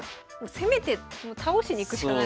攻めて倒しに行くしかない。